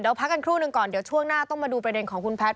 เดี๋ยวพักกันครู่หนึ่งก่อนเดี๋ยวช่วงหน้าต้องมาดูประเด็นของคุณแพทย